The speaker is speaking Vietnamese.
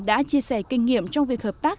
đã chia sẻ kinh nghiệm trong việc hợp tác